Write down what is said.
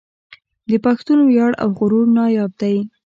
د پښتون وياړ او غرور ناياب دی